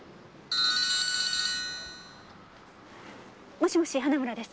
もしもし花村です。